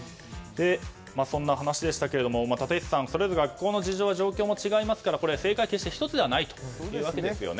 そんな話でしたが立石さんそれぞれ学校の状況も違いますから正解としては１つではないということですよね。